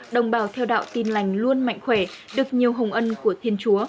đồng bào theo đạo tin lành luôn mạnh khỏe được nhiều hồng ân của thiên chúa